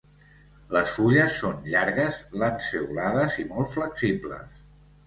Les fulles són llargues, lanceolades i molt flexibles.